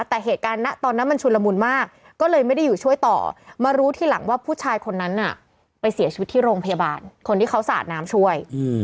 แต่เหตุการณ์ตอนนั้นมันชุนละมุนมากก็เลยไม่ได้อยู่ช่วยต่อมารู้ทีหลังว่าผู้ชายคนนั้นน่ะไปเสียชีวิตที่โรงพยาบาลคนที่เขาสาดน้ำช่วย